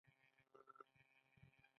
د کابل شاهانو دوره ډیره اوږده وه